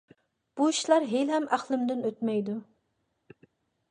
بۇ ئىشلار ھېلىھەم ئەقلىمدىن ئۆتمەيدۇ.